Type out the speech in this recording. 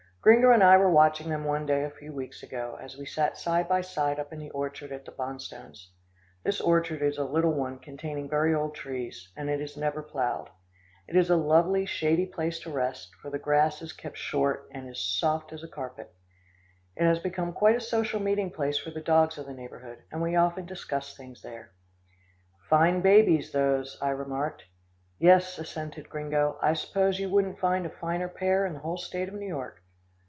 Gringo and I were watching them one day a few weeks ago, as we sat side by side up in the orchard at the Bonstones'. This orchard is a little one containing very old trees, and is never ploughed. It is a lovely shady place to rest, for the grass is kept short and is soft as a carpet. It has become quite a social meeting place for the dogs of the neighbourhood, and we often discuss things there. "Fine babies, those," I remarked. "Yes," assented Gringo, "I suppose you wouldn't find a finer pair in the whole state of New York."